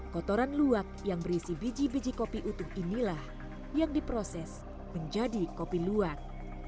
kotoran luwak yang berisi biji biji kopi utuh inilah yang diproses menjadi kopi luwak